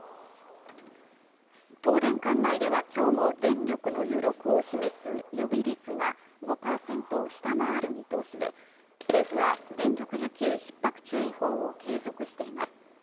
東電管内では今日も電力の余力を示す予備率が５％を下回る見通しで、政府は電力需給ひっ迫注意報を継続しています。